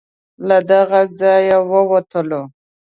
له دغه ځای ووتلو.